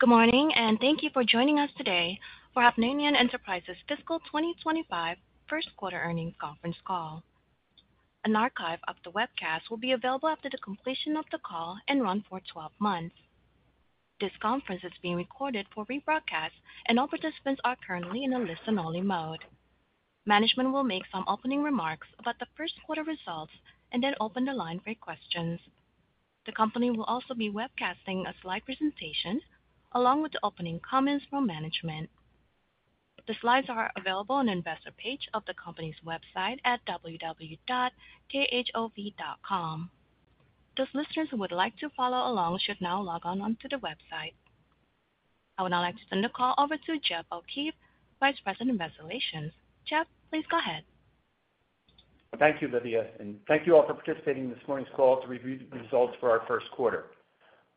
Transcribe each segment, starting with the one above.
Good morning, and thank you for joining us today for Hovnanian Enterprises' Fiscal 2025 First Quarter Earnings Conference Call. An archive of the webcast will be available after the completion of the call and run for 12 months. This conference is being recorded for rebroadcast, and all participants are currently in a listen-only mode. Management will make some opening remarks about the first quarter results and then open the line for questions. The company will also be webcasting a slide presentation along with the opening comments from management. The slides are available on the investor page of the company's website at www.khov.com. Those listeners who would like to follow along should now log on to the website. I would now like to turn the call over to Jeff O'Keefe, Vice President of Investor Relations. Jeff, please go ahead. Thank you, Lydia, and thank you all for participating in this morning's call to review the results for our first quarter.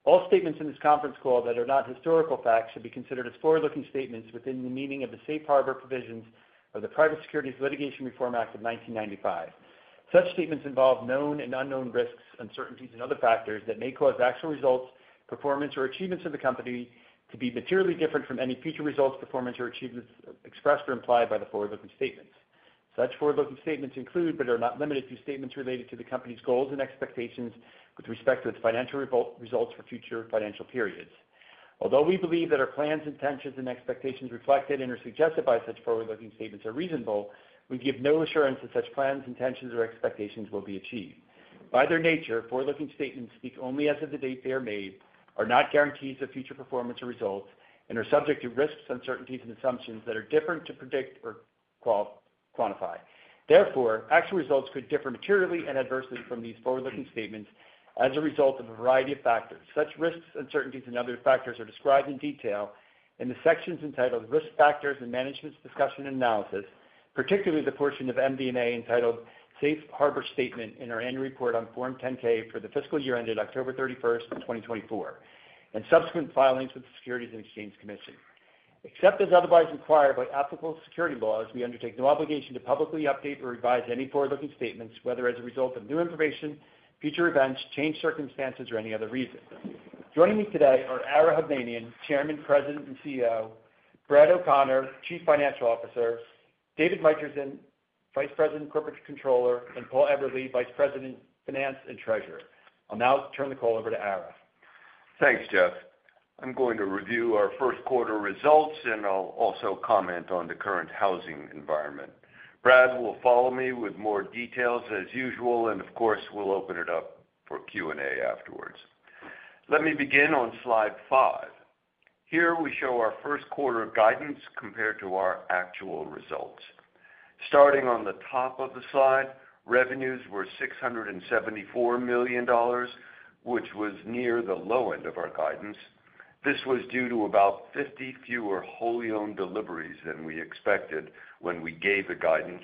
All statements in this conference call that are not historical facts should be considered as forward-looking statements within the meaning of the Safe Harbor Provisions of the Private Securities Litigation Reform Act of 1995. Such statements involve known and unknown risks, uncertainties, and other factors that may cause actual results, performance, or achievements of the company to be materially different from any future results, performance, or achievements expressed or implied by the forward-looking statements. Such forward-looking statements include, but are not limited to, statements related to the company's goals and expectations with respect to its financial results for future financial periods. Although we believe that our plans, intentions, and expectations reflected in and suggested by such forward-looking statements are reasonable, we give no assurance that such plans, intentions, or expectations will be achieved. By their nature, forward-looking statements speak only as of the date they are made, are not guarantees of future performance or results, and are subject to risks, uncertainties, and assumptions that are difficult to predict or quantify. Therefore, actual results could differ materially and adversely from these forward-looking statements as a result of a variety of factors. Such risks, uncertainties, and other factors are described in detail in the sections entitled Risk Factors and Management's Discussion and Analysis, particularly the portion of MD&A entitled Safe Harbor Statement in our Annual Report on Form 10-K for the fiscal year ended October 31st, 2024, and subsequent filings with the Securities and Exchange Commission. Except as otherwise required by applicable security laws, we undertake no obligation to publicly update or revise any forward-looking statements, whether as a result of new information, future events, changed circumstances, or any other reason. Joining me today are Ara Hovnanian, Chairman, President, and CEO, Brad O'Connor, Chief Financial Officer, David Mitrisin, Vice President, Corporate Controller, and Paul Eberly, Vice President, Finance and Treasurer. I'll now turn the call over to Ara. Thanks, Jeff. I'm going to review our first quarter results, and I'll also comment on the current housing environment. Brad will follow me with more details as usual, and of course, we'll open it up for Q&A afterwards. Let me begin on slide five. Here we show our first-quarter guidance compared to our actual results. Starting on the top of the slide, revenues were $674 million, which was near the low end of our guidance. This was due to about 50 fewer wholly owned deliveries than we expected when we gave the guidance,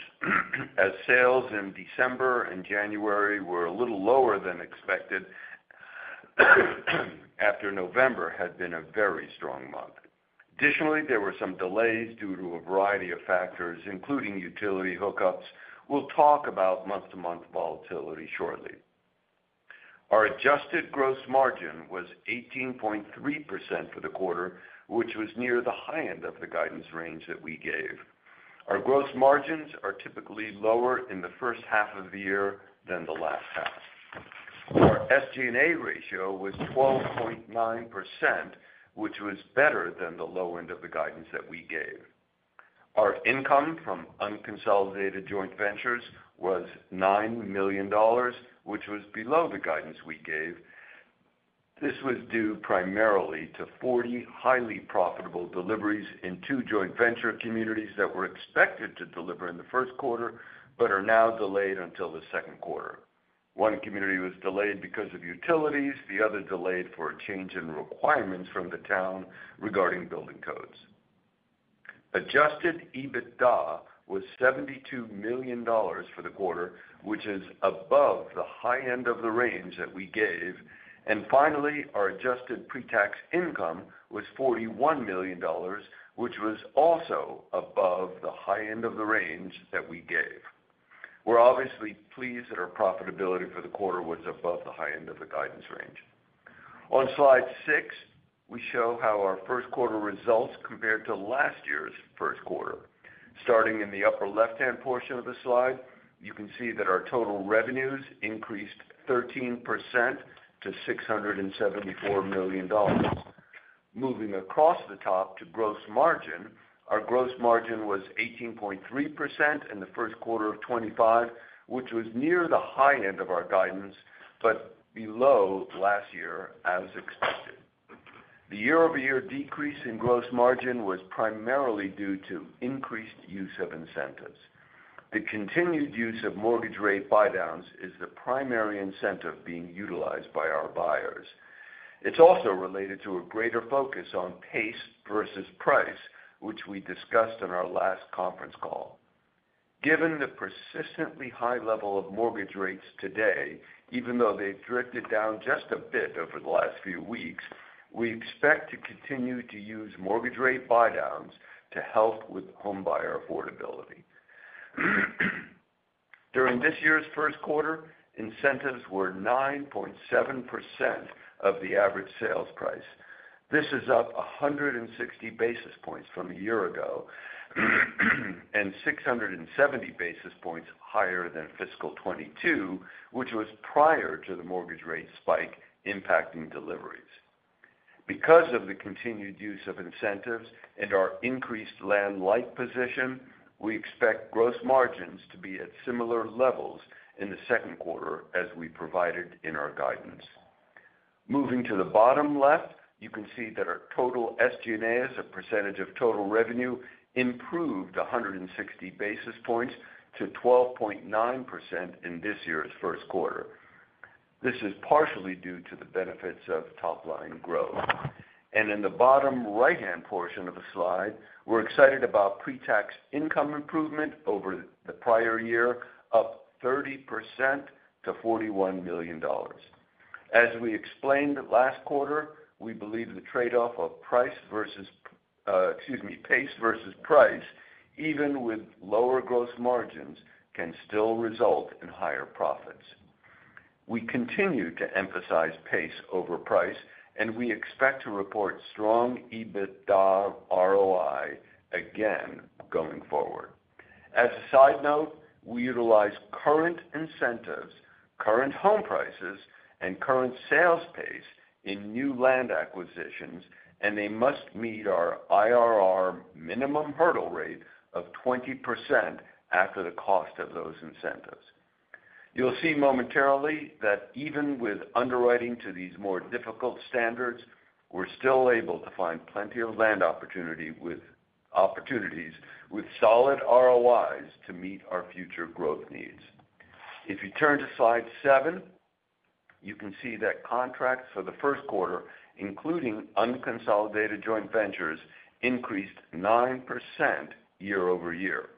as sales in December and January were a little lower than expected after November had been a very strong month. Additionally, there were some delays due to a variety of factors, including utility hookups. We'll talk about month-to-month volatility shortly. Our adjusted gross margin was 18.3% for the quarter, which was near the high end of the guidance range that we gave. Our gross margins are typically lower in the first half of the year than the last half. Our SG&A ratio was 12.9%, which was better than the low end of the guidance that we gave. Our income from unconsolidated joint ventures was $9 million, which was below the guidance we gave. This was due primarily to 40 highly profitable deliveries in two joint venture communities that were expected to deliver in the first quarter but are now delayed until the second quarter. One community was delayed because of utilities. The other delayed for a change in requirements from the town regarding building codes. Adjusted EBITDA was $72 million for the quarter, which is above the high end of the range that we gave. And finally, our adjusted pre-tax income was $41 million, which was also above the high end of the range that we gave. We're obviously pleased that our profitability for the quarter was above the high end of the guidance range. On slide six, we show how our first-quarter results compared to last year's first quarter. Starting in the upper left-hand portion of the slide, you can see that our total revenues increased 13% to $674 million. Moving across the top to gross margin, our gross margin was 18.3% in the first quarter of 2025, which was near the high end of our guidance but below last year as expected. The year-over-year decrease in gross margin was primarily due to increased use of incentives. The continued use of mortgage rate buy-downs is the primary incentive being utilized by our buyers. It's also related to a greater focus on pace versus price, which we discussed in our last conference call. Given the persistently high level of mortgage rates today, even though they've drifted down just a bit over the last few weeks, we expect to continue to use mortgage rate buy-downs to help with home buyer affordability. During this year's first quarter, incentives were 9.7% of the average sales price. This is up 160 basis points from a year ago and 670 basis points higher than fiscal 2022, which was prior to the mortgage rate spike impacting deliveries. Because of the continued use of incentives and our increased land-light position, we expect gross margins to be at similar levels in the second quarter as we provided in our guidance. Moving to the bottom left, you can see that our total SG&A, a percentage of total revenue, improved 160 basis points to 12.9% in this year's first quarter. This is partially due to the benefits of top-line growth. And in the bottom right-hand portion of the slide, we're excited about pre-tax income improvement over the prior year, up 30% to $41 million. As we explained last quarter, we believe the trade-off of price versus, excuse me, pace versus price, even with lower gross margins, can still result in higher profits. We continue to emphasize pace over price, and we expect to report strong EBITDA ROI again going forward. As a side note, we utilize current incentives, current home prices, and current sales pace in new land acquisitions, and they must meet our IRR minimum hurdle rate of 20% after the cost of those incentives. You'll see momentarily that even with underwriting to these more difficult standards, we're still able to find plenty of land opportunities with solid ROIs to meet our future growth needs. If you turn to slide seven, you can see that contracts for the first quarter, including unconsolidated joint ventures, increased 9% year-over-year.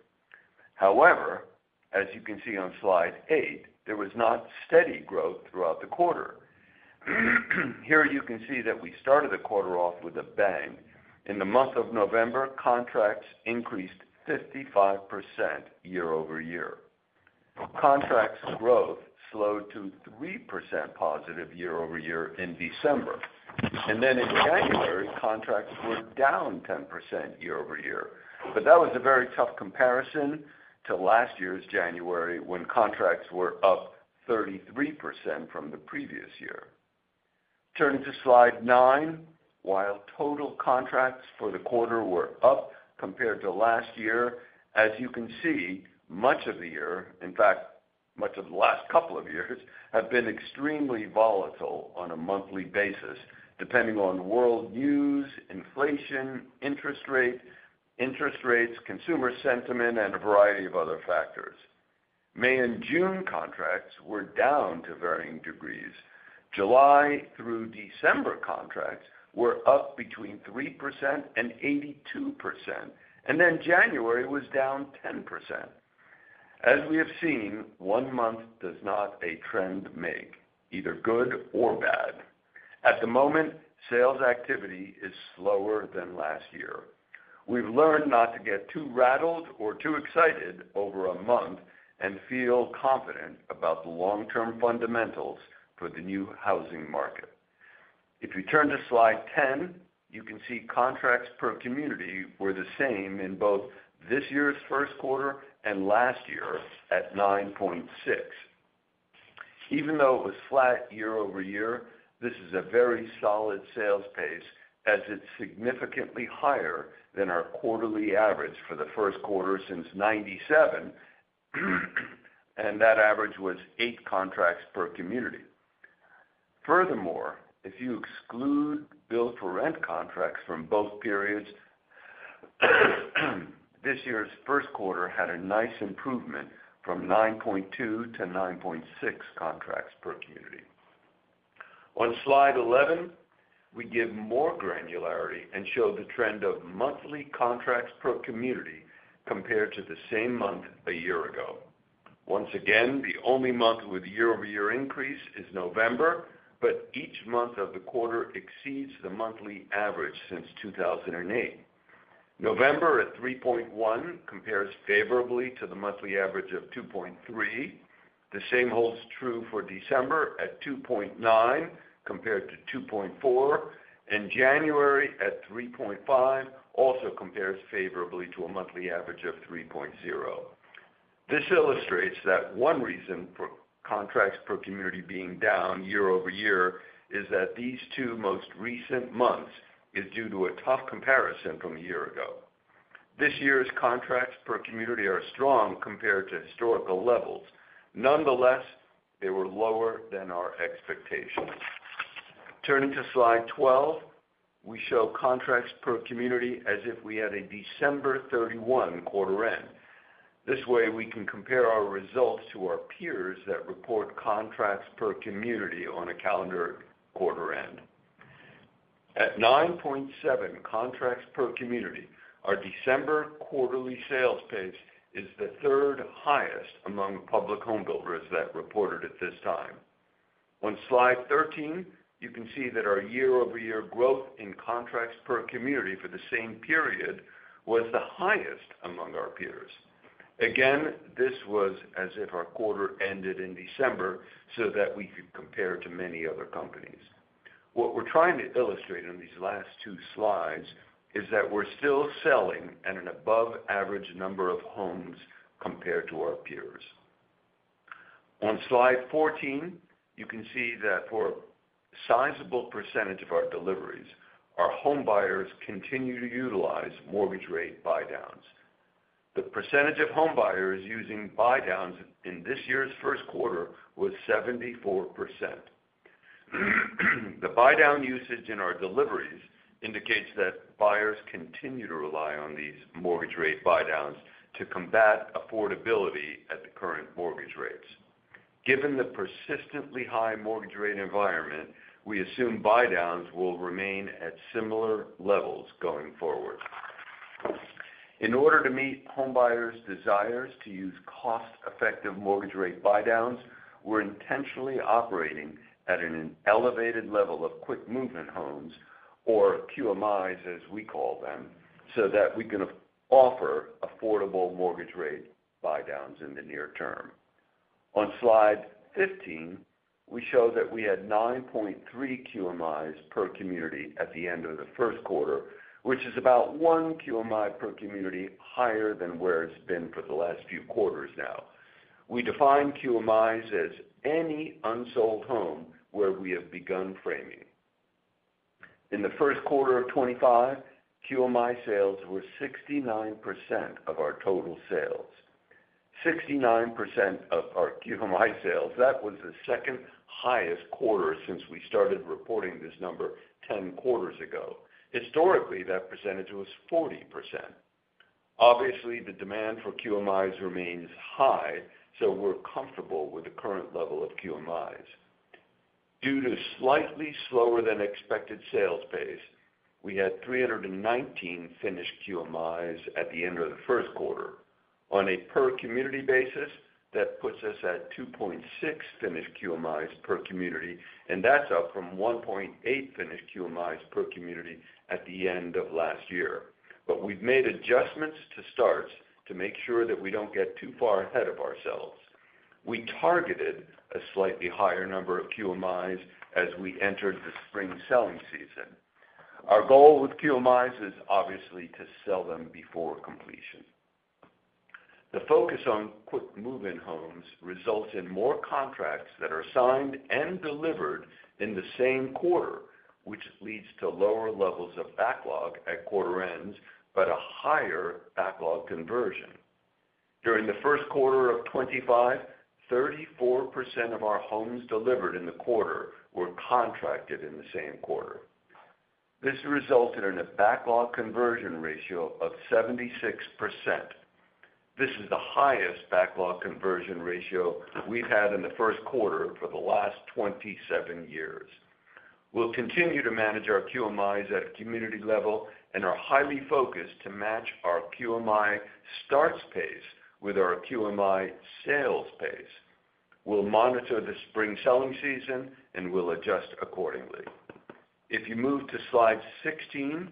However, as you can see on slide eight, there was not steady growth throughout the quarter. Here you can see that we started the quarter off with a bang. In the month of November, contracts increased 55% year-over-year. Contracts' growth slowed to 3% positive year-over-year in December. And then in January, contracts were down 10% year-over-year. But that was a very tough comparison to last year's January when contracts were up 33% from the previous year. Turning to slide nine, while total contracts for the quarter were up compared to last year, as you can see, much of the year, in fact, much of the last couple of years, have been extremely volatile on a monthly basis, depending on world news, inflation, interest rates, consumer sentiment, and a variety of other factors. May and June contracts were down to varying degrees. July through December contracts were up between 3% and 82%, and then January was down 10%. As we have seen, one month does not a trend make either good or bad. At the moment, sales activity is slower than last year. We've learned not to get too rattled or too excited over a month and feel confident about the long-term fundamentals for the new housing market. If you turn to slide 10, you can see contracts per community were the same in both this year's first quarter and last year at 9.6. Even though it was flat year-over-year, this is a very solid sales pace as it's significantly higher than our quarterly average for the first quarter since 1997, and that average was eight contracts per community. Furthermore, if you exclude build-for-rent contracts from both periods, this year's first quarter had a nice improvement from 9.2 to 9.6 contracts per community. On slide 11, we give more granularity and show the trend of monthly contracts per community compared to the same month a year ago. Once again, the only month with year-over-year increase is November, but each month of the quarter exceeds the monthly average since 2008. November at 3.1 compares favorably to the monthly average of 2.3. The same holds true for December at 2.9 compared to 2.4, and January at 3.5 also compares favorably to a monthly average of 3.0. This illustrates that one reason for contracts per community being down year-over-year is that these two most recent months are due to a tough comparison from a year ago. This year's contracts per community are strong compared to historical levels. Nonetheless, they were lower than our expectations. Turning to slide 12, we show contracts per community as if we had a December 31 quarter-end. This way, we can compare our results to our peers that report contracts per community on a calendar quarter-end. At 9.7 contracts per community, our December quarterly sales pace is the third highest among public homebuilders that reported at this time. On slide 13, you can see that our year-over-year growth in contracts per community for the same period was the highest among our peers. Again, this was as if our quarter ended in December so that we could compare to many other companies. What we're trying to illustrate in these last two slides is that we're still selling at an above-average number of homes compared to our peers. On slide 14, you can see that for a sizable percentage of our deliveries, our homebuyers continue to utilize mortgage rate buy-downs. The percentage of homebuyers using buy-downs in this year's first quarter was 74%. The buy-down usage in our deliveries indicates that buyers continue to rely on these mortgage rate buy-downs to combat affordability at the current mortgage rates. Given the persistently high mortgage rate environment, we assume buy-downs will remain at similar levels going forward. In order to meet homebuyers' desires to use cost-effective mortgage rate buy-downs, we're intentionally operating at an elevated level of Quick Move-in Homes, or QMIs as we call them, so that we can offer affordable mortgage rate buy-downs in the near term. On slide 15, we show that we had 9.3 QMIs per community at the end of the first quarter, which is about one QMI per community higher than where it's been for the last few quarters now. We define QMIs as any unsold home where we have begun framing. In the first quarter of 2025, QMI sales were 69% of our total sales. 69% of our QMI sales, that was the second highest quarter since we started reporting this number 10 quarters ago. Historically, that percentage was 40%. Obviously, the demand for QMIs remains high, so we're comfortable with the current level of QMIs. Due to slightly slower-than-expected sales pace, we had 319 finished QMIs at the end of the first quarter. On a per-community basis, that puts us at 2.6 finished QMIs per community, and that's up from 1.8 finished QMIs per community at the end of last year. But we've made adjustments to starts to make sure that we don't get too far ahead of ourselves. We targeted a slightly higher number of QMIs as we entered the spring selling season. Our goal with QMIs is obviously to sell them before completion. The focus on quick move-in homes results in more contracts that are signed and delivered in the same quarter, which leads to lower levels of backlog at quarter-ends but a higher backlog conversion. During the first quarter of 2025, 34% of our homes delivered in the quarter were contracted in the same quarter. This resulted in a backlog conversion ratio of 76%. This is the highest backlog conversion ratio we've had in the first quarter for the last 27 years. We'll continue to manage our QMIs at a community level and are highly focused to match our QMI starts pace with our QMI sales pace. We'll monitor the spring selling season and we'll adjust accordingly. If you move to slide 16,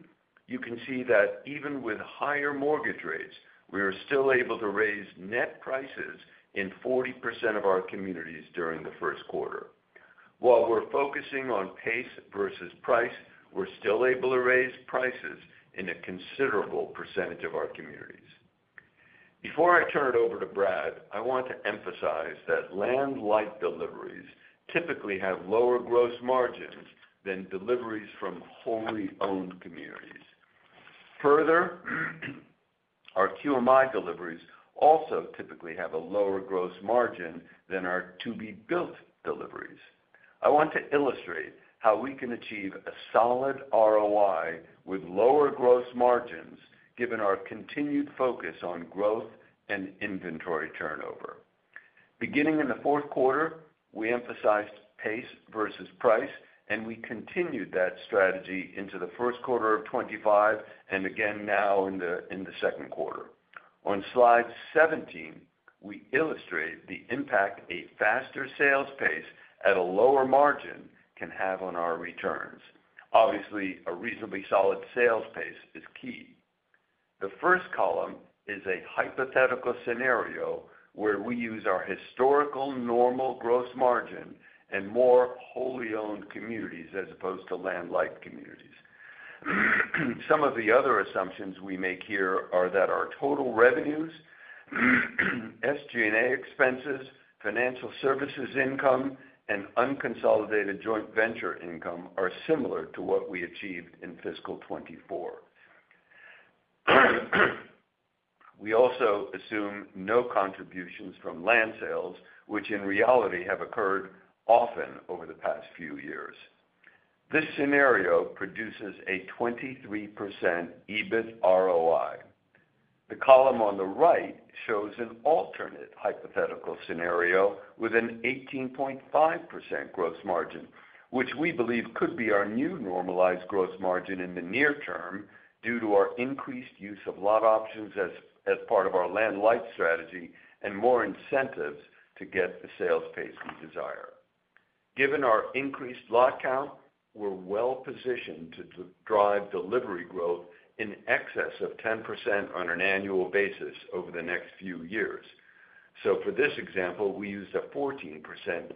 you can see that even with higher mortgage rates, we are still able to raise net prices in 40% of our communities during the first quarter. While we're focusing on pace versus price, we're still able to raise prices in a considerable percentage of our communities. Before I turn it over to Brad, I want to emphasize that land-light deliveries typically have lower gross margins than deliveries from wholly owned communities. Further, our QMI deliveries also typically have a lower gross margin than our to-be-built deliveries. I want to illustrate how we can achieve a solid ROI with lower gross margins given our continued focus on growth and inventory turnover. Beginning in the fourth quarter, we emphasized pace versus price, and we continued that strategy into the first quarter of 2025 and again now in the second quarter. On slide 17, we illustrate the impact a faster sales pace at a lower margin can have on our returns. Obviously, a reasonably solid sales pace is key. The first column is a hypothetical scenario where we use our historical normal gross margin and more wholly owned communities as opposed to land-light communities. Some of the other assumptions we make here are that our total revenues, SG&A expenses, financial services income, and unconsolidated joint venture income are similar to what we achieved in fiscal 2024. We also assume no contributions from land sales, which in reality have occurred often over the past few years. This scenario produces a 23% EBIT ROI. The column on the right shows an alternate hypothetical scenario with an 18.5% gross margin, which we believe could be our new normalized gross margin in the near term due to our increased use of lot options as part of our land-light strategy and more incentives to get the sales pace we desire. Given our increased lot count, we're well positioned to drive delivery growth in excess of 10% on an annual basis over the next few years. So for this example, we used a 14%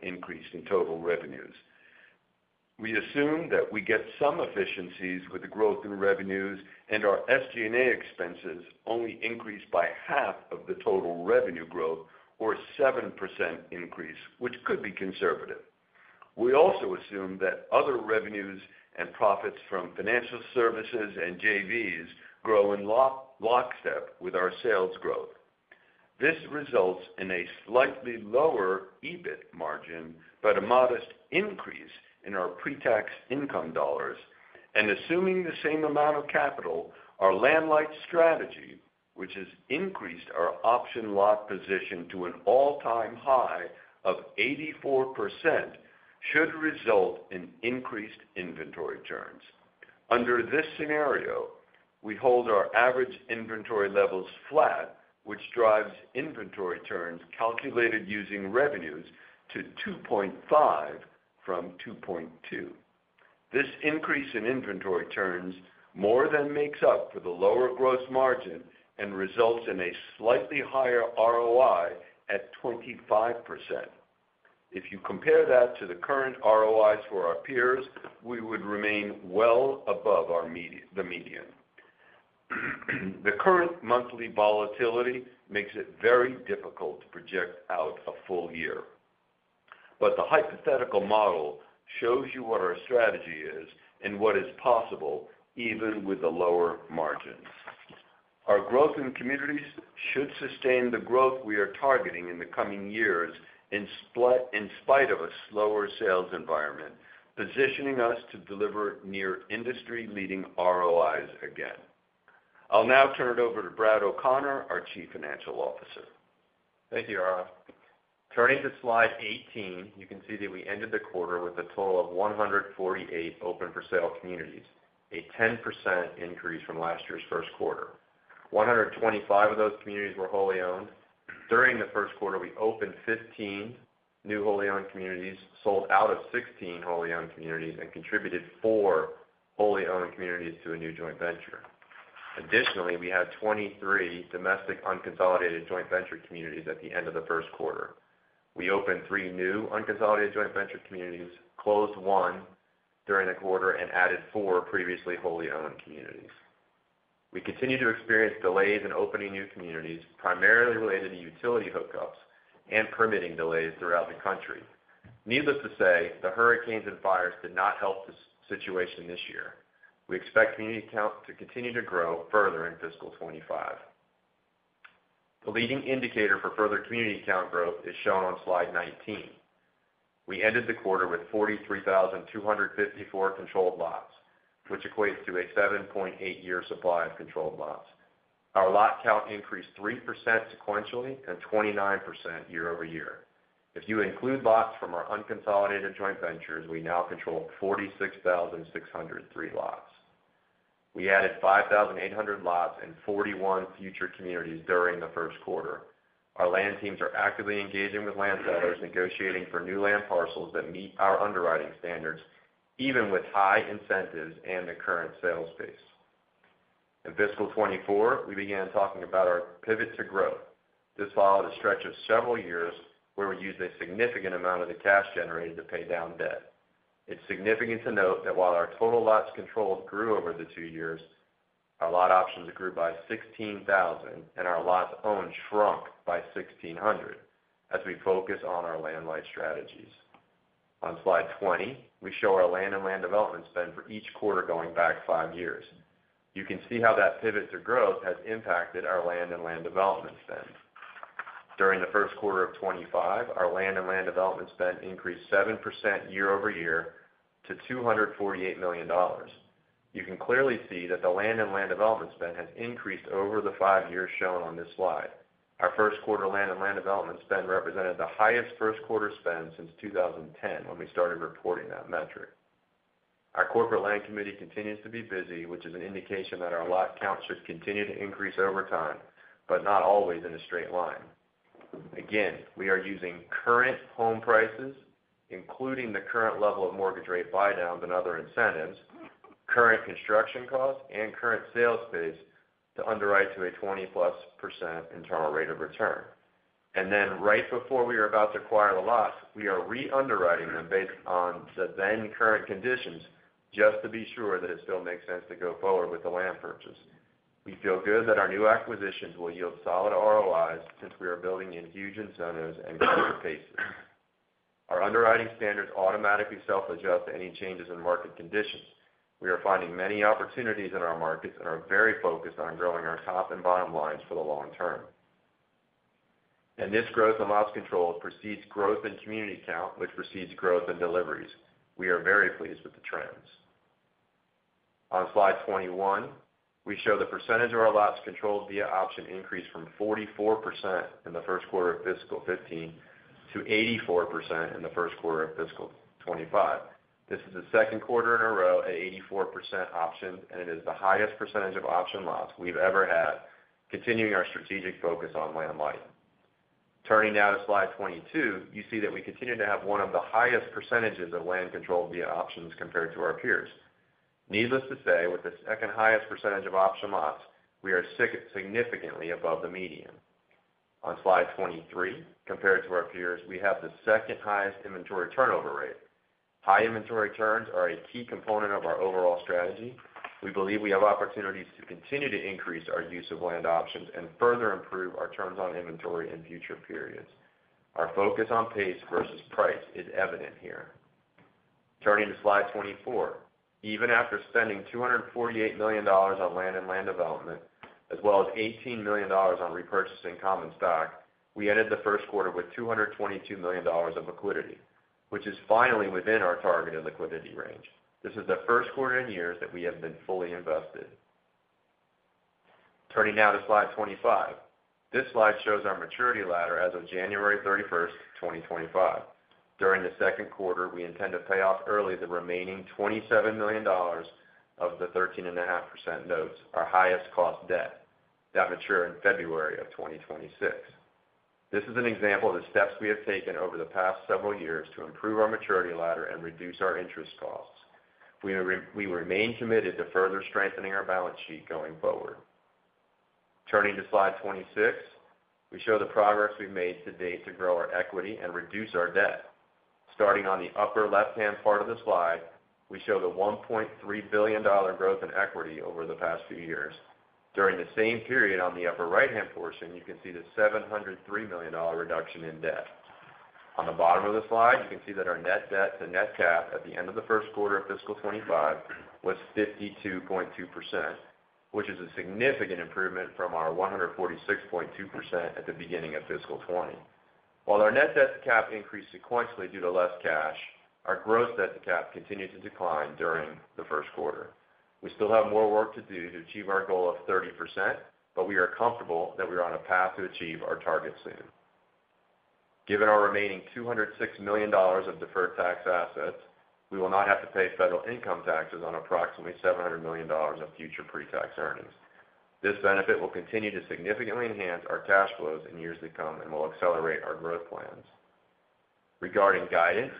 increase in total revenues. We assume that we get some efficiencies with the growth in revenues and our SG&A expenses only increased by half of the total revenue growth or 7% increase, which could be conservative. We also assume that other revenues and profits from financial services and JVs grow in lockstep with our sales growth. This results in a slightly lower EBIT margin but a modest increase in our pre-tax income dollars. And assuming the same amount of capital, our land-light strategy, which has increased our option lot position to an all-time high of 84%, should result in increased inventory turns. Under this scenario, we hold our average inventory levels flat, which drives inventory turns calculated using revenues to 2.5 from 2.2. This increase in inventory turns more than makes up for the lower gross margin and results in a slightly higher ROI at 25%. If you compare that to the current ROIs for our peers, we would remain well above the median. The current monthly volatility makes it very difficult to project out a full year. But the hypothetical model shows you what our strategy is and what is possible even with the lower margins. Our growth in communities should sustain the growth we are targeting in the coming years in spite of a slower sales environment, positioning us to deliver near industry-leading ROIs again. I'll now turn it over to Brad O’Connor, our Chief Financial Officer. Thank you, Ara. Turning to slide 18, you can see that we ended the quarter with a total of 148 open-for-sale communities, a 10% increase from last year's first quarter. 125 of those communities were wholly owned. During the first quarter, we opened 15 new wholly owned communities, sold out of 16 wholly owned communities, and contributed four wholly owned communities to a new joint venture. Additionally, we had 23 domestic unconsolidated joint venture communities at the end of the first quarter. We opened three new unconsolidated joint venture communities, closed one during the quarter, and added four previously wholly owned communities. We continue to experience delays in opening new communities, primarily related to utility hookups and permitting delays throughout the country. Needless to say, the hurricanes and fires did not help the situation this year. We expect community count to continue to grow further in fiscal 2025. The leading indicator for further community count growth is shown on slide 19. We ended the quarter with 43,254 controlled lots, which equates to a 7.8-year supply of controlled lots. Our lot count increased 3% sequentially and 29% year-over-year. If you include lots from our unconsolidated joint ventures, we now control 46,603 lots. We added 5,800 lots and 41 future communities during the first quarter. Our land teams are actively engaging with land sellers, negotiating for new land parcels that meet our underwriting standards, even with high incentives and the current sales pace. In fiscal 2024, we began talking about our pivot to growth. This followed a stretch of several years where we used a significant amount of the cash generated to pay down debt. It's significant to note that while our total lots controlled grew over the two years, our lot options grew by 16,000, and our lots owned shrunk by 1,600 as we focus on our land-light strategies. On slide 20, we show our land and land development spend for each quarter going back five years. You can see how that pivot to growth has impacted our land and land development spend. During the first quarter of 2025, our land and land development spend increased 7% year-over-year to $248 million. You can clearly see that the land and land development spend has increased over the five years shown on this slide. Our first quarter land and land development spend represented the highest first quarter spend since 2010 when we started reporting that metric. Our corporate land committee continues to be busy, which is an indication that our lot count should continue to increase over time, but not always in a straight line. Again, we are using current home prices, including the current level of mortgage rate buy-downs and other incentives, current construction costs, and current sales pace to underwrite to a 20-plus% internal rate of return. And then right before we are about to acquire the lots, we are re-underwriting them based on the then current conditions just to be sure that it still makes sense to go forward with the land purchase. We feel good that our new acquisitions will yield solid ROIs since we are building in huge incentives and growth pace. Our underwriting standards automatically self-adjust to any changes in market conditions. We are finding many opportunities in our markets and are very focused on growing our top and bottom lines for the long term. And this growth in lots controlled precedes growth in community count, which precedes growth in deliveries. We are very pleased with the trends. On slide 21, we show the percentage of our lots controlled via options increased from 44% in the first quarter of fiscal 2015 to 84% in the first quarter of fiscal 2025. This is the second quarter in a row at 84% options, and it is the highest percentage of option lots we've ever had, continuing our strategic focus on land-light. Turning now to slide 22, you see that we continue to have one of the highest percentages of land controlled via options compared to our peers. Needless to say, with the second highest percentage of option lots, we are significantly above the median. On slide 23, compared to our peers, we have the second highest inventory turnover rate. High inventory turns are a key component of our overall strategy. We believe we have opportunities to continue to increase our use of land options and further improve our turns on inventory in future periods. Our focus on pace versus price is evident here. Turning to slide 24, even after spending $248 million on land and land development, as well as $18 million on repurchasing common stock, we ended the first quarter with $222 million of liquidity, which is finally within our targeted liquidity range. This is the first quarter in years that we have been fully invested. Turning now to slide 25, this slide shows our maturity ladder as of January 31st, 2025. During the second quarter, we intend to pay off early the remaining $27 million of the 13.5% notes, our highest cost debt, that mature in February of 2026. This is an example of the steps we have taken over the past several years to improve our maturity ladder and reduce our interest costs. We remain committed to further strengthening our balance sheet going forward. Turning to slide 26, we show the progress we've made to date to grow our equity and reduce our debt. Starting on the upper left-hand part of the slide, we show the $1.3 billion growth in equity over the past few years. During the same period on the upper right-hand portion, you can see the $703 million reduction in debt. On the bottom of the slide, you can see that our net debt to net cap at the end of the first quarter of fiscal 2025 was 52.2%, which is a significant improvement from our 146.2% at the beginning of fiscal 2020. While our net debt to cap increased sequentially due to less cash, our gross debt to cap continued to decline during the first quarter. We still have more work to do to achieve our goal of 30%, but we are comfortable that we are on a path to achieve our target soon. Given our remaining $206 million of deferred tax assets, we will not have to pay federal income taxes on approximately $700 million of future pre-tax earnings. This benefit will continue to significantly enhance our cash flows in years to come and will accelerate our growth plans. Regarding guidance,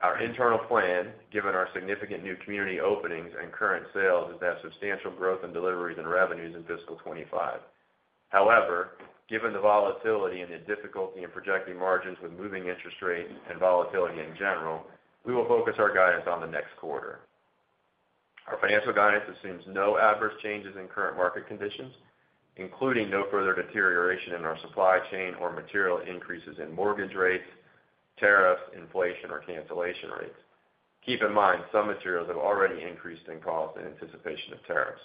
our internal plan, given our significant new community openings and current sales, has had substantial growth in deliveries and revenues in fiscal 2025. However, given the volatility and the difficulty in projecting margins with moving interest rates and volatility in general, we will focus our guidance on the next quarter. Our financial guidance assumes no adverse changes in current market conditions, including no further deterioration in our supply chain or material increases in mortgage rates, tariffs, inflation, or cancellation rates. Keep in mind, some materials have already increased in cost in anticipation of tariffs.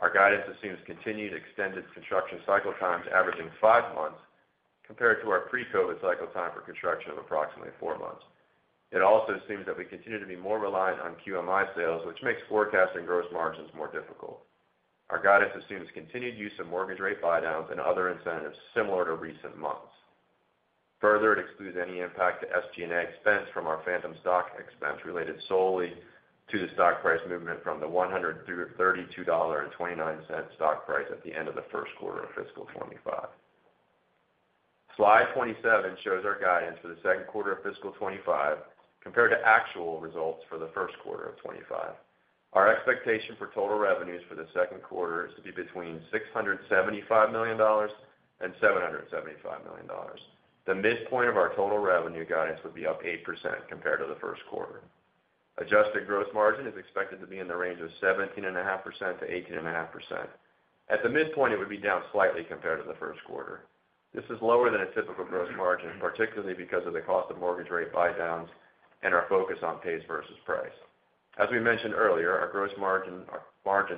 Our guidance assumes continued extended construction cycle times averaging five months compared to our pre-COVID cycle time for construction of approximately four months. It also assumes that we continue to be more reliant on QMI sales, which makes forecasting gross margins more difficult. Our guidance assumes continued use of mortgage rate buy-downs and other incentives similar to recent months. Further, it excludes any impact to SG&A expense from our phantom stock expense related solely to the stock price movement from the $132.29 stock price at the end of the first quarter of fiscal 2025. Slide 27 shows our guidance for the second quarter of fiscal 2025 compared to actual results for the first quarter of 2025. Our expectation for total revenues for the second quarter is to be between $675 million and $775 million. The midpoint of our total revenue guidance would be up 8% compared to the first quarter. Adjusted gross margin is expected to be in the range of 17.5% to 18.5%. At the midpoint, it would be down slightly compared to the first quarter. This is lower than a typical gross margin, particularly because of the cost of mortgage rate buy-downs and our focus on pace versus price. As we mentioned earlier, our gross margins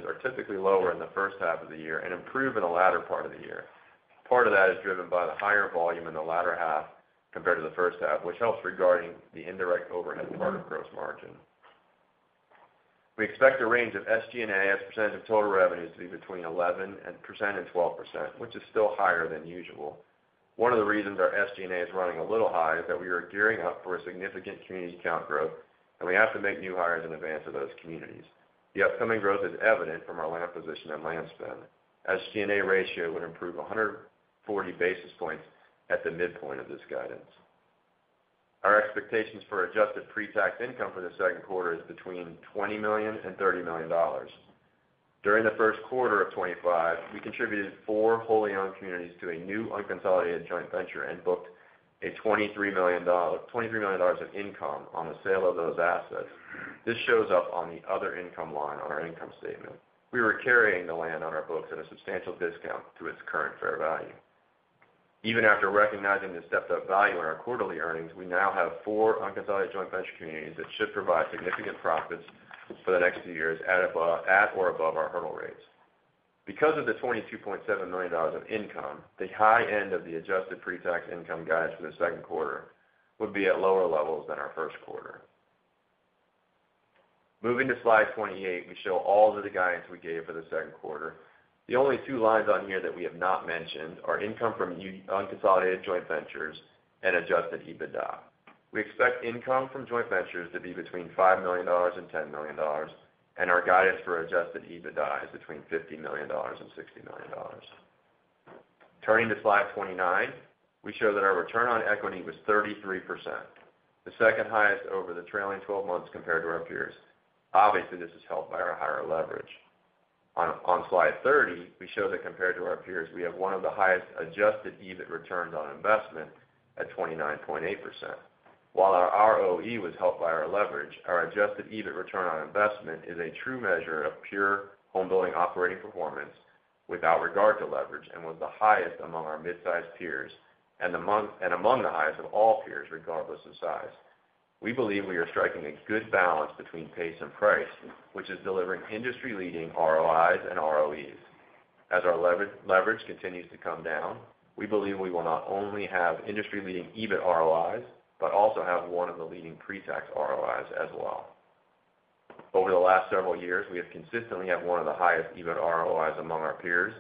are typically lower in the first half of the year and improve in the latter part of the year. Part of that is driven by the higher volume in the latter half compared to the first half, which helps regarding the indirect overhead part of gross margin. We expect a range of SG&A as percentage of total revenues to be between 11% and 12%, which is still higher than usual. One of the reasons our SG&A is running a little high is that we are gearing up for a significant community count growth, and we have to make new hires in advance of those communities. The upcoming growth is evident from our land position and land spend. SG&A ratio would improve 140 basis points at the midpoint of this guidance. Our expectations for adjusted pre-tax income for the second quarter is between $20 million and $30 million. During the first quarter of 2025, we contributed four wholly owned communities to a new unconsolidated joint venture and booked $23 million of income on the sale of those assets. This shows up on the other income line on our income statement. We were carrying the land on our books at a substantial discount to its current fair value. Even after recognizing the stepped-up value in our quarterly earnings, we now have four unconsolidated joint venture communities that should provide significant profits for the next few years at or above our hurdle rates. Because of the $22.7 million of income, the high end of the adjusted pre-tax income guidance for the second quarter would be at lower levels than our first quarter. Moving to slide 28, we show all of the guidance we gave for the second quarter. The only two lines on here that we have not mentioned are income from unconsolidated joint ventures and adjusted EBITDA. We expect income from joint ventures to be between $5 million and $10 million, and our guidance for adjusted EBITDA is between $50 million and $60 million. Turning to slide 29, we show that our return on equity was 33%, the second highest over the trailing 12 months compared to our peers. Obviously, this is helped by our higher leverage. On slide 30, we show that compared to our peers, we have one of the highest adjusted EBIT returns on investment at 29.8%. While our ROE was helped by our leverage, our adjusted EBIT return on investment is a true measure of pure home-building operating performance without regard to leverage and was the highest among our mid-sized peers and among the highest of all peers regardless of size. We believe we are striking a good balance between pace and price, which is delivering industry-leading ROIs and ROEs. As our leverage continues to come down, we believe we will not only have industry-leading EBIT ROIs, but also have one of the leading pre-tax ROIs as well. Over the last several years, we have consistently had one of the highest EBIT ROIs among our peers.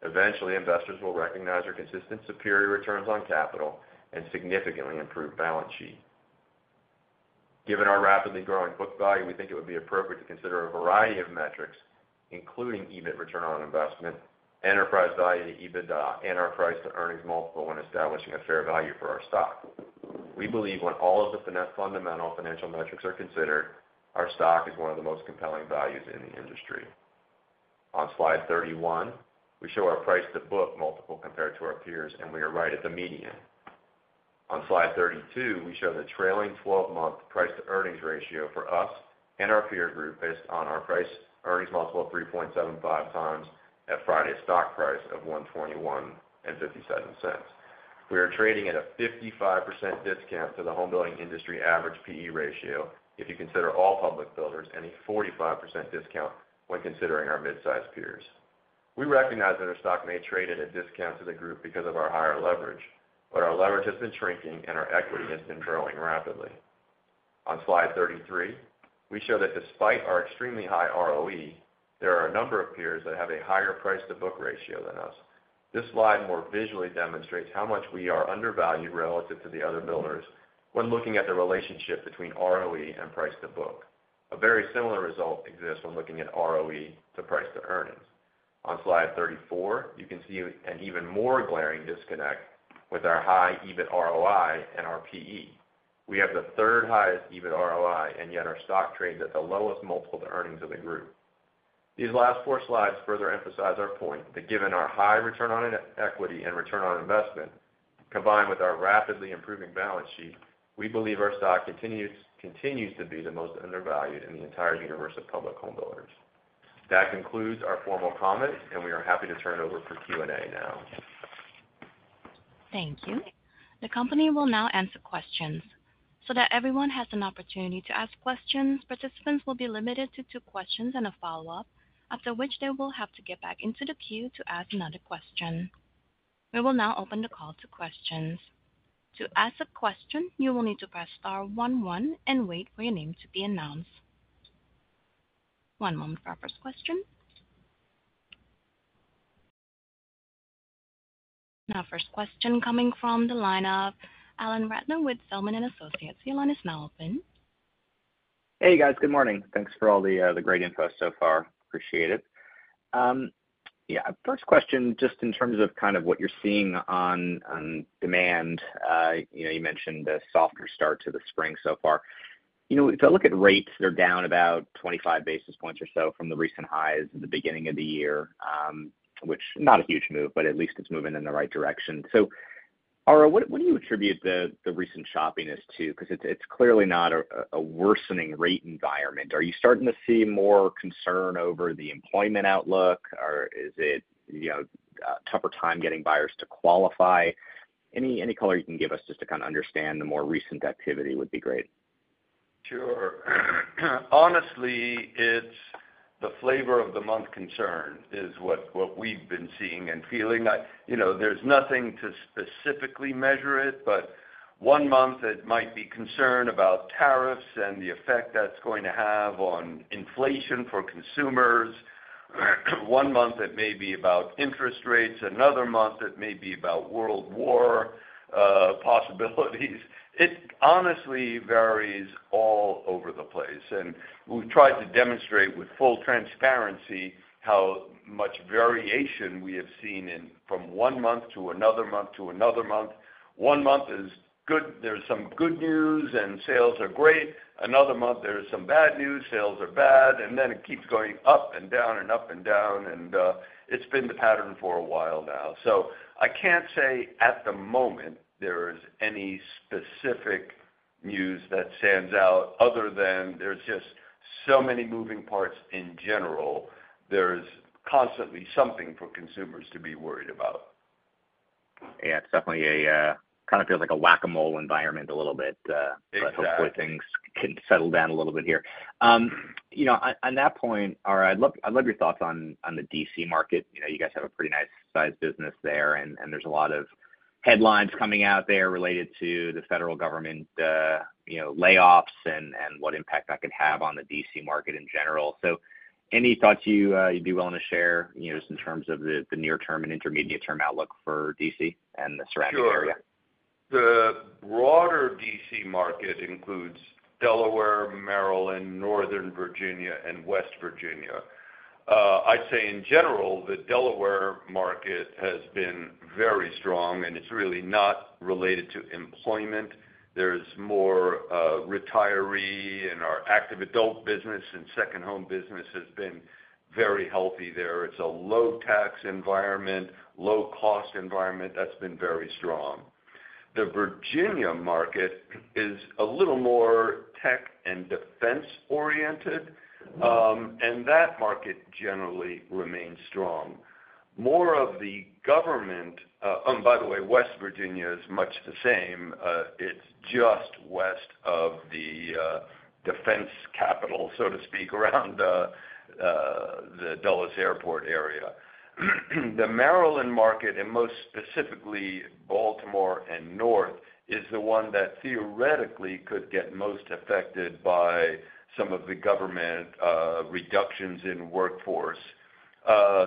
Eventually, investors will recognize our consistent superior returns on capital and significantly improved balance sheet. Given our rapidly growing book value, we think it would be appropriate to consider a variety of metrics, including EBIT return on investment, enterprise value to EBITDA, and our price to earnings multiple when establishing a fair value for our stock. We believe when all of the fundamental financial metrics are considered, our stock is one of the most compelling values in the industry. On slide 31, we show our price to book multiple compared to our peers, and we are right at the median. On slide 32, we show the trailing 12-month price to earnings ratio for us and our peer group based on our price earnings multiple of 3.75 times at Friday's stock price of $121.57. We are trading at a 55% discount to the home-building industry average PE ratio if you consider all public builders and a 45% discount when considering our mid-sized peers. We recognize that our stock may trade at a discount to the group because of our higher leverage, but our leverage has been shrinking and our equity has been growing rapidly. On slide 33, we show that despite our extremely high ROE, there are a number of peers that have a higher price to book ratio than us. This slide more visually demonstrates how much we are undervalued relative to the other builders when looking at the relationship between ROE and price to book. A very similar result exists when looking at ROE to price to earnings. On slide 34, you can see an even more glaring disconnect with our high EBIT ROI and our PE. We have the third highest EBIT ROI, and yet our stock trades at the lowest multiple to earnings of the group. These last four slides further emphasize our point that given our high return on equity and return on investment, combined with our rapidly improving balance sheet, we believe our stock continues to be the most undervalued in the entire universe of public home builders. That concludes our formal comments, and we are happy to turn it over for Q&A now. Thank you. The company will now answer questions. So that everyone has an opportunity to ask questions, participants will be limited to two questions and a follow-up, after which they will have to get back into the queue to ask another question. We will now open the call to questions. To ask a question, you will need to press star 11 and wait for your name to be announced. One moment for our first question. Now, first question coming from the line of Alan Ratner with Zelman & Associates. Alan, it's now open. Hey, guys. Good morning. Thanks for all the great info so far. Appreciate it. Yeah, first question, just in terms of kind of what you're seeing on demand, you mentioned a softer start to the spring so far. If I look at rates, they're down about 25 basis points or so from the recent highs at the beginning of the year, which is not a huge move, but at least it's moving in the right direction. So, Ara, what do you attribute the recent choppiness to? Because it's clearly not a worsening rate environment. Are you starting to see more concern over the employment outlook? Is it a tougher time getting buyers to qualify? Any color you can give us just to kind of understand the more recent activity would be great. Sure. Honestly, it's the flavor-of-the-month concern, is what we've been seeing and feeling. There's nothing to specifically measure it, but one month it might be concern about tariffs and the effect that's going to have on inflation for consumers. One month it may be about interest rates. Another month it may be about world war possibilities. It honestly varies all over the place, and we've tried to demonstrate with full transparency how much variation we have seen from one month to another month to another month. One month is good. There's some good news and sales are great. Another month there is some bad news. Sales are bad, and then it keeps going up and down and up and down, and it's been the pattern for a while now. So I can't say at the moment there is any specific news that stands out other than there's just so many moving parts in general. There's constantly something for consumers to be worried about. Yeah, it's definitely a kind of feels like a whack-a-mole environment a little bit. But hopefully things can settle down a little bit here. On that point, Ara, I'd love your thoughts on the DC market. You guys have a pretty nice sized business there, and there's a lot of headlines coming out there related to the federal government layoffs and what impact that could have on the DC market in general. So any thoughts you'd be willing to share just in terms of the near-term and intermediate-term outlook for DC and the surrounding area? Sure. The broader DC market includes Delaware, Maryland, Northern Virginia, and West Virginia. I'd say in general, the Delaware market has been very strong, and it's really not related to employment. There's more retiree and our active adult business and second home business has been very healthy there. It's a low-tax environment, low-cost environment that's been very strong. The Virginia market is a little more tech and defense-oriented, and that market generally remains strong. More of the government, by the way, West Virginia is much the same. It's just west of the defense capital, so to speak, around the Dulles Airport area. The Maryland market, and most specifically Baltimore and North, is the one that theoretically could get most affected by some of the government reductions in workforce.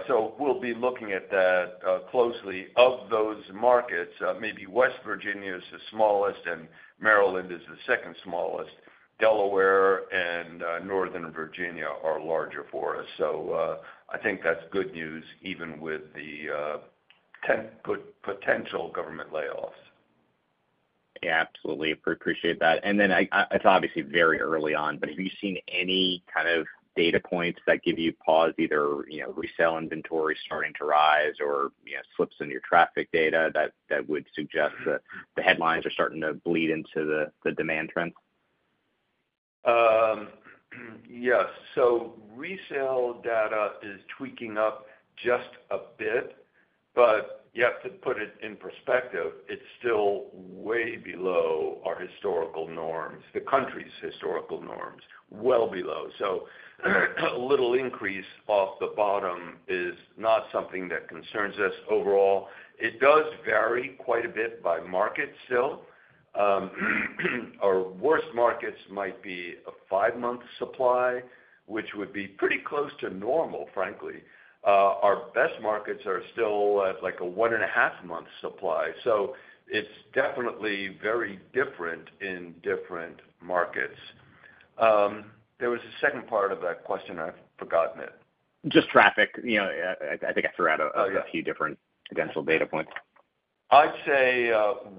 So we'll be looking at that closely. Of those markets, maybe West Virginia is the smallest and Maryland is the second smallest. Delaware and Northern Virginia are larger for us. So I think that's good news even with the potential government layoffs. Yeah, absolutely. Appreciate that. And then it's obviously very early on, but have you seen any kind of data points that give you pause, either resale inventory starting to rise or slips in your traffic data that would suggest the headlines are starting to bleed into the demand trends? Yes. So resale data is ticking up just a bit, but you have to put it in perspective. It's still way below our historical norms, the country's historical norms, well below. So a little increase off the bottom is not something that concerns us overall. It does vary quite a bit by market still. Our worst markets might be a five-month supply, which would be pretty close to normal, frankly. Our best markets are still at like a one-and-a-half-month supply. So it's definitely very different in different markets. There was a second part of that question. I've forgotten it. Just traffic. I think I threw out a few different potential data points. I'd say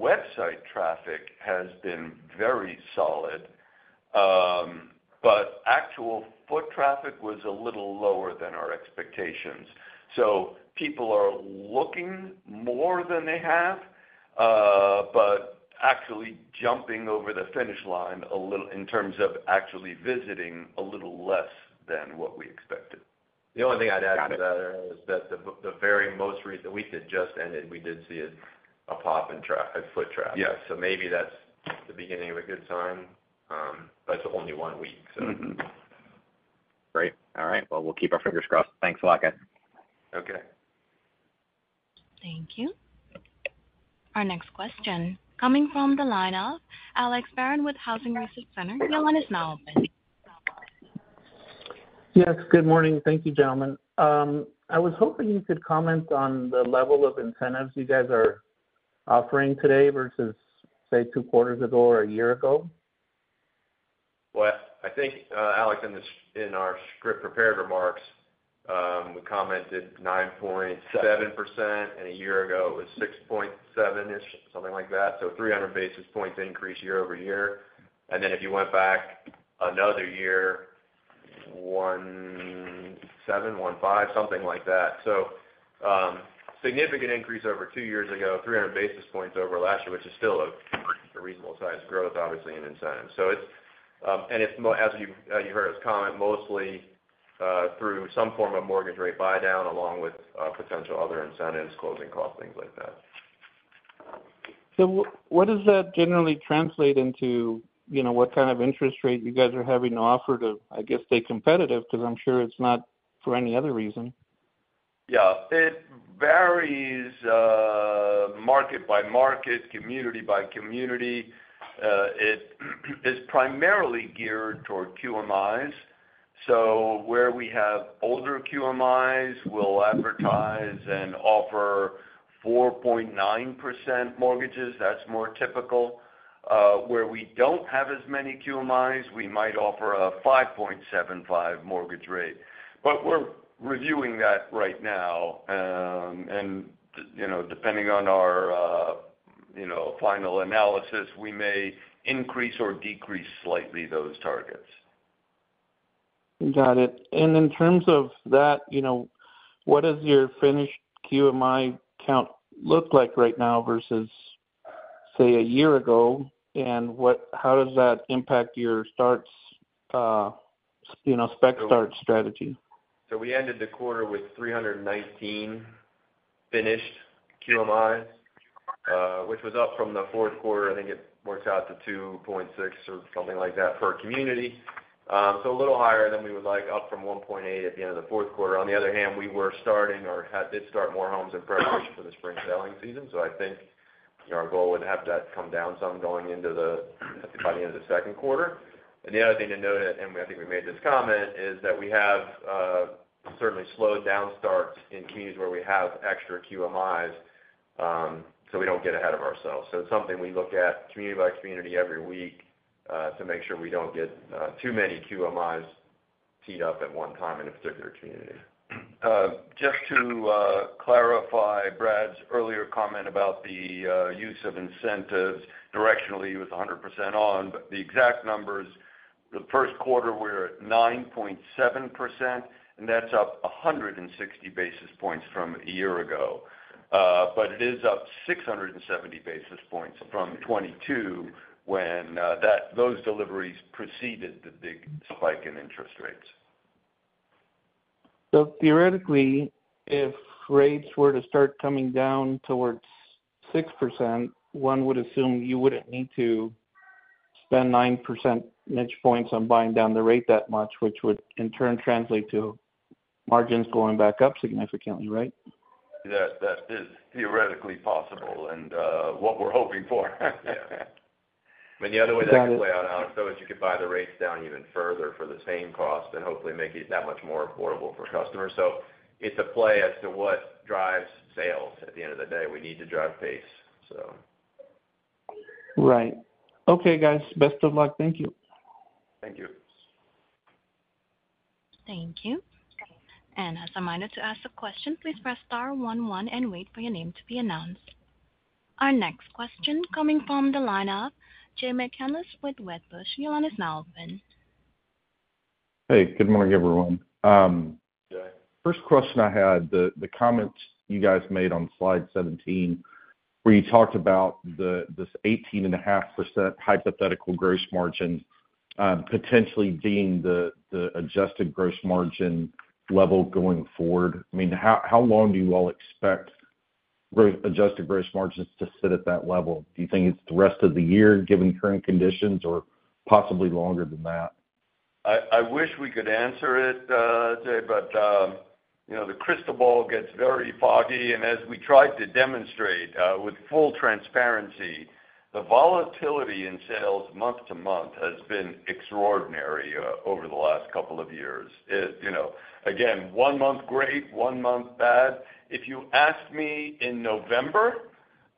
website traffic has been very solid, but actual foot traffic was a little lower than our expectations. So people are looking more than they have, but actually jumping over the finish line in terms of actually visiting a little less than what we expected. The only thing I'd add to that is that the very most recent week that just ended, we did see a pop in foot traffic. So maybe that's the beginning of a good sign, but it's only one week, so. Great. All right. Well, we'll keep our fingers crossed. Thanks a lot, guys. Okay. Thank you. Our next question, coming from the line of Alex Barron with Housing Research Center. Alex is now open. Yes, good morning. Thank you, gentlemen. I was hoping you could comment on the level of incentives you guys are offering today versus, say, two quarters ago or a year ago? Well, I think Alex, in our script prepared remarks, we commented 9.7%, and a year ago it was 6.7%, something like that. So 300 basis points increase year-over-year. And then if you went back another year, 17%, 15%, something like that. So significant increase over two years ago, 300 basis points over last year, which is still a reasonable size growth, obviously, in incentives. And as you heard us comment, mostly through some form of mortgage rate buy-down along with potential other incentives, closing costs, things like that. So what does that generally translate into? What kind of interest rate you guys are having to offer to, I guess, stay competitive? Because I'm sure it's not for any other reason. Yeah. It varies market by market, community by community. It is primarily geared toward QMIs. So where we have older QMIs, we'll advertise and offer 4.9% mortgages. That's more typical. Where we don't have as many QMIs, we might offer a 5.75 mortgage rate. But we're reviewing that right now. And depending on our final analysis, we may increase or decrease slightly those targets. Got it. And in terms of that, what does your finished QMI count look like right now versus, say, a year ago? And how does that impact your spec start strategy? So we ended the quarter with 319 finished QMIs, which was up from the fourth quarter. I think it worked out to 2.6 or something like that per community. So a little higher than we would like, up from 1.8 at the end of the fourth quarter. On the other hand, we were starting or did start more homes in preparation for the spring selling season. So I think our goal would have that come down some going into the, I think, by the end of the second quarter. And the other thing to note, and I think we made this comment, is that we have certainly slowed down starts in communities where we have extra QMIs, so we don't get ahead of ourselves. So it's something we look at community by community every week to make sure we don't get too many QMIs teed up at one time in a particular community. Just to clarify Brad's earlier comment about the use of incentives, directionally he was 100% on. But the exact numbers, the first quarter we were at 9.7%, and that's up 160 basis points from a year ago. But it is up 670 basis points from 2022 when those deliveries preceded the big spike in interest rates. So theoretically, if rates were to start coming down towards 6%, one would assume you wouldn't need to spend 9 percentage points on buying down the rate that much, which would in turn translate to margins going back up significantly, right? That is theoretically possible and what we're hoping for. I mean, the other way that could play out, Alex, though, is you could buy the rates down even further for the same cost and hopefully make it that much more affordable for customers. So it's a play as to what drives sales at the end of the day. We need to drive pace, so. Right. Okay, guys. Best of luck. Thank you. Thank you. Thank you. As a reminder to ask a question, please press star 11 and wait for your name to be announced. Our next question coming from the line of Jay McCanless with Wedbush. The line is now open. Hey, good morning, everyone. First question I had, the comments you guys made on slide 17 where you talked about this 18.5% hypothetical gross margin potentially being the adjusted gross margin level going forward. I mean, how long do you all expect adjusted gross margins to sit at that level? Do you think it's the rest of the year given current conditions or possibly longer than that? I wish we could answer it, Jay, but the crystal ball gets very foggy. As we tried to demonstrate with full transparency, the volatility in sales month to month has been extraordinary over the last couple of years. Again, one month great, one month bad. If you asked me in November,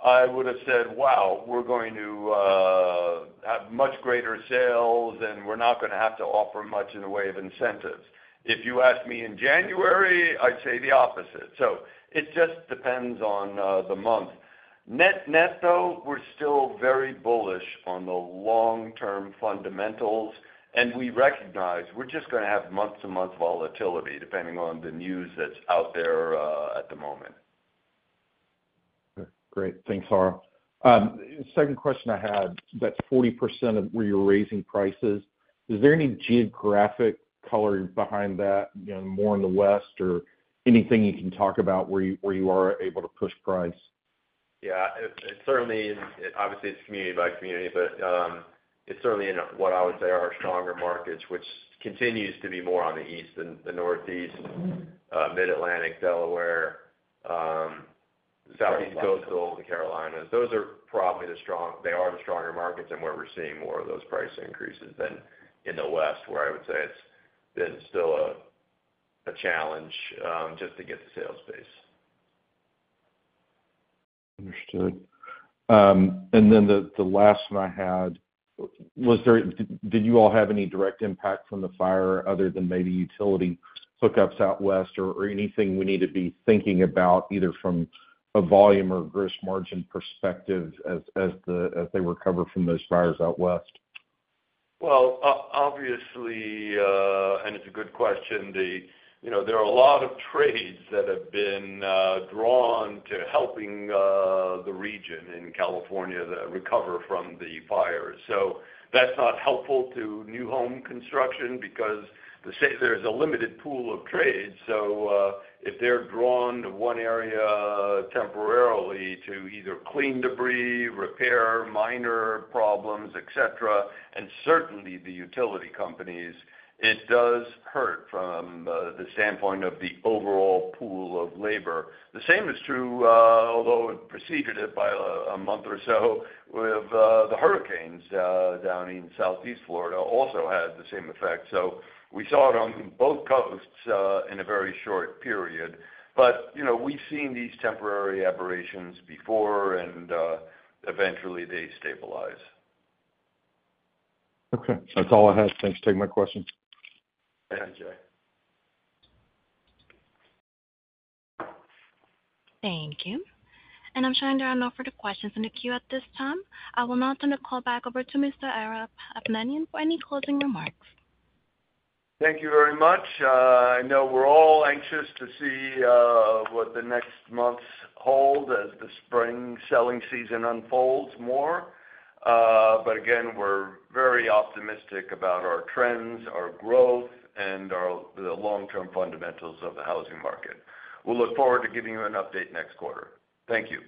I would have said, "Wow, we're going to have much greater sales and we're not going to have to offer much in the way of incentives." If you asked me in January, I'd say the opposite, so it just depends on the month. Net-net, though, we're still very bullish on the long-term fundamentals, and we recognize we're just going to have month-to-month volatility depending on the news that's out there at the moment. Great. Thanks, Ara. Second question I had, that 40% where you're raising prices, is there any geographic color behind that, more in the west, or anything you can talk about where you are able to push price? Yeah. Obviously, it's community by community, but it's certainly in what I would say are our stronger markets, which continues to be more on the East and the Northeast, Mid-Atlantic, Delaware, Southeast coastal, and Carolinas. Those are probably the stronger markets and where we're seeing more of those price increases than in the West, where I would say it's still a challenge just to get the sales pace. Understood, and then the last one I had, did you all have any direct impact from the fire other than maybe utility hookups out West or anything we need to be thinking about either from a volume or gross margin perspective as they recover from those fires out West? Well, obviously, and it's a good question, there are a lot of trades that have been drawn to helping the region in California recover from the fires. So that's not helpful to new home construction because there's a limited pool of trades. So if they're drawn to one area temporarily to either clean debris, repair minor problems, etc., and certainly the utility companies, it does hurt from the standpoint of the overall pool of labor. The same is true, although it preceded it by a month or so with the hurricanes down in Southeast Florida also had the same effect. So we saw it on both coasts in a very short period. But we've seen these temporary aberrations before, and eventually they stabilize. Okay. That's all I had. Thanks for taking my questions. Thank you, Jay. Thank you. And I'm showing there are no further questions in the queue at this time. I will now turn the call back over to Mr. Ara Hovnanian for any closing remarks. Thank you very much. I know we're all anxious to see what the next months hold as the spring selling season unfolds more. But again, we're very optimistic about our trends, our growth, and the long-term fundamentals of the housing market. We'll look forward to giving you an update next quarter. Thank you.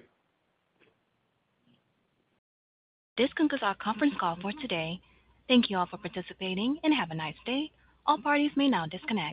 This concludes our conference call for today. Thank you all for participating and have a nice day. All parties may now disconnect.